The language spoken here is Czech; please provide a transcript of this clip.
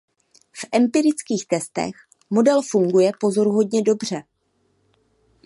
V empirických testech model funguje pozoruhodně dobře.